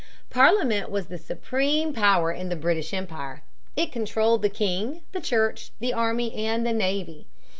Parliament was the supreme power in the British Empire. It controlled the king, the church, the army, and the navy.